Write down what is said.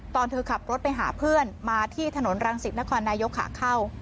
ตอนเธอขับรถไปหาเพื่อนมาที่ถนนรังสิตนครนายกขาเข้า